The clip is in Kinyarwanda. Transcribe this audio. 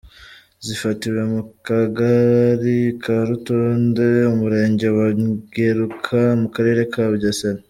Zafatiwe mu kagari ka Rutonde, umurenge wa Ngeruka, mu karere ka Bugesera.